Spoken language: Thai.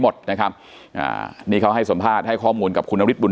หมดนะครับอ่านี่เขาให้สัมภาษณ์ให้ข้อมูลกับคุณนฤทธบุญ